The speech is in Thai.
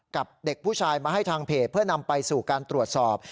กับเด็กผู้ชายมาให้ทางเพจเพื่อนำไปสู่การตรวจสอบ